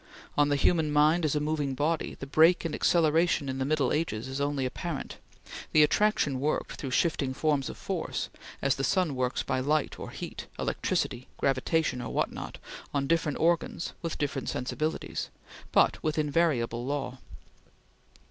On the human mind as a moving body, the break in acceleration in the Middle Ages is only apparent; the attraction worked through shifting forms of force, as the sun works by light or heat, electricity, gravitation, or what not, on different organs with different sensibilities, but with invariable law.